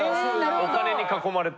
お金に囲まれて。